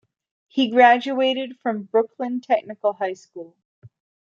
He graduated from Brooklyn Technical High School.